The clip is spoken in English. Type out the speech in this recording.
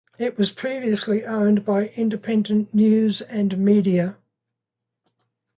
It was previously owned by Independent News and Media.